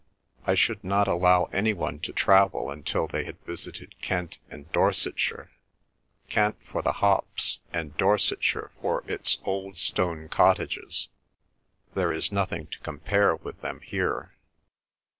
I should not allow any one to travel until they had visited Kent and Dorsetshire—Kent for the hops, and Dorsetshire for its old stone cottages. There is nothing to compare with them here."